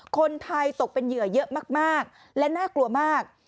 คนไทยตกเป็นเหยื่อเยอะมากและน่ากลัวมาก